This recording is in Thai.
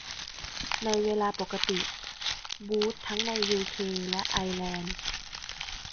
ในเวลาปกติ บูตส์ทั้งในยูเคและไอร์แลนด์